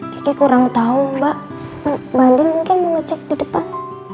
diki kurang tahu mbak mbak andin mungkin mau ngecek di depan